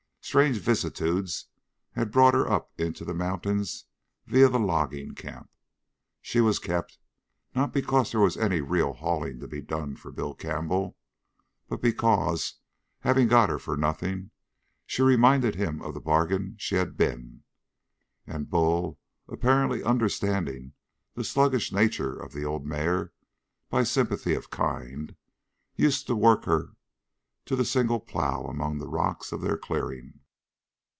Strange vicissitudes had brought her up into the mountains via the logging camp. She was kept, not because there was any real hauling to be done for Bill Campbell, but because, having got her for nothing, she reminded him of the bargain she had been. And Bull, apparently understanding the sluggish nature of the old mare by sympathy of kind, use to work her to the single plow among the rocks of their clearing.